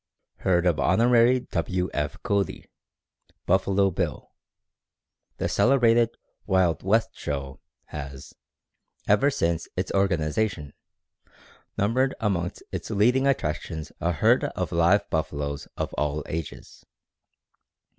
Herd of Hon. W. F. Cody ("Buffalo Bill"). The celebrated "Wild West Show" has, ever since its organization, numbered amongst its leading attractions a herd of live buffaloes of all ages.